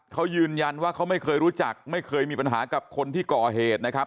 เขายืนยันว่าเขาไม่เคยรู้จักไม่เคยมีปัญหากับคนที่ก่อเหตุนะครับ